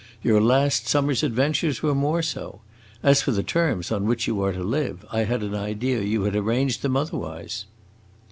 Your last summer's adventures were more so! As for the terms on which you are to live, I had an idea you had arranged them otherwise!"